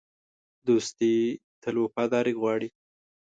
دوستي تل وفاداري غواړي.